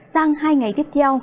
sang hai ngày tiếp theo